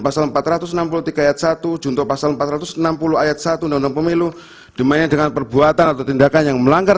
pasal empat ratus enam puluh tiga ayat satu junto pasal empat ratus enam puluh ayat satu undang undang pemilu dimainkan dengan perbuatan atau tindakan yang melanggar